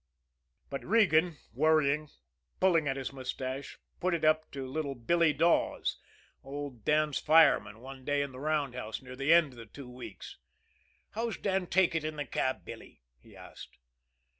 But Regan, worrying, pulling at his mustache, put it up to little Billy Dawes, old Dan's fireman, one day in the roundhouse near the end of the two weeks. "How's Dan take it in the cab, Billy?" he asked.